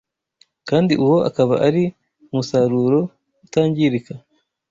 kandi uwo akaba ari umusaruro utangirika.